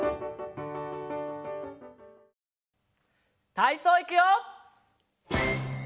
たいそういくよ！